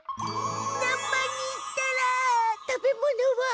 南蛮に行ったら食べ物は？